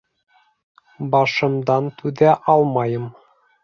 Башымдан түҙә алмайым.